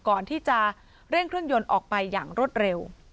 ก่อนที่จะเร่งเครื่องยนต์ออกไปอย่างรวดเร็ว